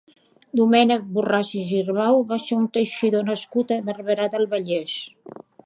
Domènec Borràs i Girbau va ser un teixidor nascut a Barberà del Vallès.